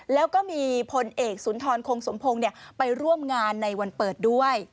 แล้วก็มีพลเอกสุนทรคงสมพงศ์ไปร่วมงานในวันเปิดด้วย